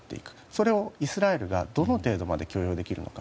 それをイスラエルがどの程度まで許容できるのか。